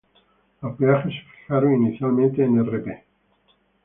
Los peajes se fijaron inicialmente en Rp.